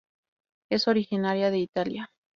Es originaria de Italia.